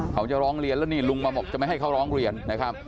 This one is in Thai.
เขาจะร้องเรียนแล้วนี่ลุงมาบอกจะไม่ให้เขาร้องเรียนนะครับ